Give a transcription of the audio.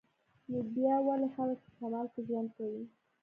نو بیا ولې خلک په شمال کې ژوند کوي